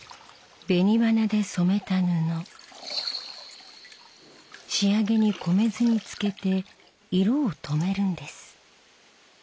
紅花で染めた布仕上げに米酢につけて色を止めるんです。